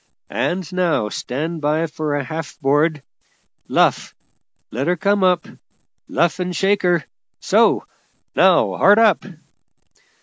And now stand by for a half board! Luff! let her come up! luff and shake her! so! Now hard up!"